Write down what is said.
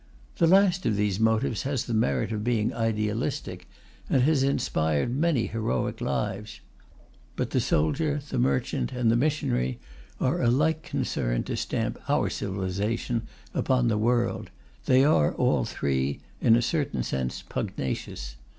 The last of these motives has the merit of being idealistic, and has inspired many heroic lives. But the soldier, the merchant, and the missionary are alike concerned to stamp our civilization upon the world; they are all three, in a certain sense, pugnacious.